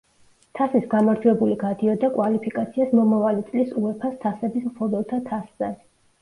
თასის გამარჯვებული გადიოდა კვალიფიკაციას მომავალი წლის უეფა-ს თასების მფლობელთა თასზე.